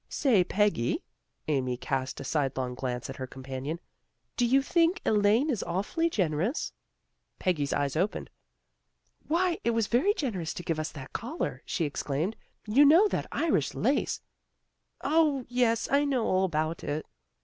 " Say, Peggy! " Amy cast a sidelong glance at her companion. " Do you think Elaine is awfully generous? " Peggy's eyes opened. " Why, it was very generous to give us that collar," she exclaimed. " You know that Irish lace " O, yes, I know all about it."